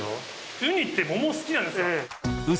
ウニって桃好きなんですか。